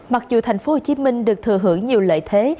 mặc dù tp hcm được thừa hưởng nhiều lợi thế